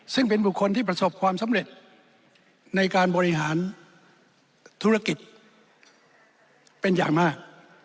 ซึ่งเป็นบุคคลที่ประสบความสำเร็จในการบริหารธุรกิจเป็นอย่างมาก